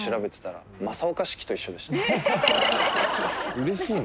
うれしいの？